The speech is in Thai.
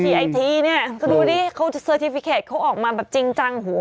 ทีไอทีเนี้ยก็ดูวันนี้เขาจะเขาออกมาแบบจริงจังหู